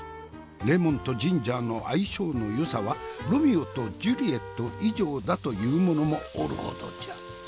レモンとジンジャーの相性のよさはロミオとジュリエット以上だと言う者もおるほどじゃ。